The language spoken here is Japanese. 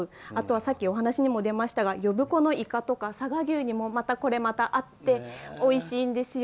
さっき、お話にも出ましたが呼子のイカとか佐賀牛にもこれまた合っておいしいんですよ。